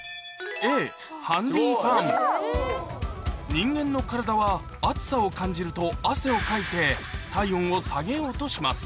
人間の体は暑さを感じると汗をかいて体温を下げようとします